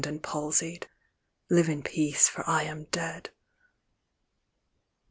And palsied. Live in peace ; for I am dead."